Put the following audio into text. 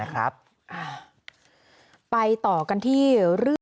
ไปต่อกันที่